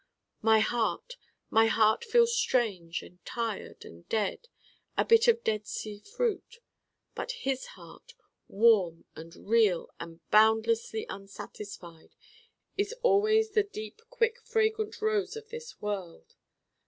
My Heart my Heart feels strange and tired and dead, a bit of dead sea fruit: but his heart, warm and real and boundlessly unsatisfied, is always the deep quick fragrant Rose of this World.